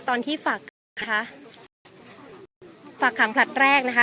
ตอนที่ฝากค่ะฝากขังพลัดแรกนะคะ